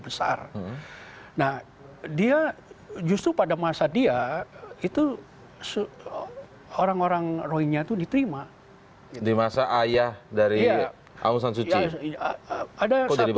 besar nah dia justru pada masa dia itu orang orang rohinya itu diterima di masa ayah dari asean